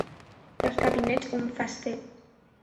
Das Kabinett umfasste